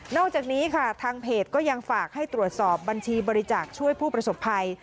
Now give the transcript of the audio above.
อกจากนี้ค่ะทางเพจก็ยังฝากให้ตรวจสอบบัญชีบริจาคช่วยผู้ประสบภัย